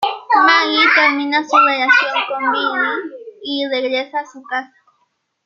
Maggie termina su relación con Billy y regresa a su casa.